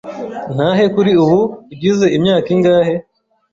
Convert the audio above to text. Ntahe kuri ubu ugize imyaka ingahe